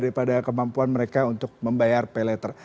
daripada kemampuan mereka untuk membayar pay letter